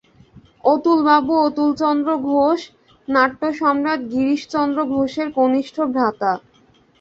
অতুলবাবু অতুলচন্দ্র ঘোষ, নাট্যসম্রাট গিরিশচন্দ্র ঘোষের কনিষ্ঠ ভ্রাতা।